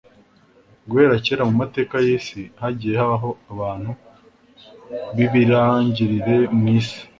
Guhera kera mu mateka y'isi, hagiye habaho abantu b'ibirangirire mu isi,